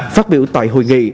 phát biểu tại hội nghị